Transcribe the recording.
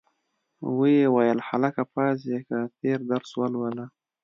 ویې ویل هلکه پاڅیږه تېر درس ولوله.